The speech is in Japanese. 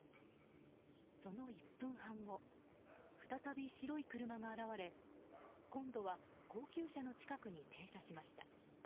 その１分半後、再び白い車が現れ今度は高級車の近くに停車しました。